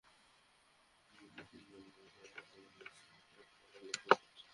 Speaker Shirin Sharmin Chowdhury বলেছেন, সরকার জনগণের স্বাস্থ্যসেবা নিশ্চিত করার লক্ষ্যে কাজ করছে।